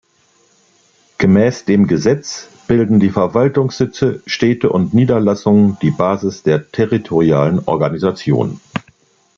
Gemäß dem Gesetz bilden die Verwaltungssitze, Städte und Niederlassungen die Basis der territorialen Organisation.